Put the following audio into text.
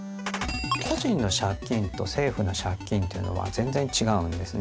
個人の借金と政府の借金というのは全然違うんですね。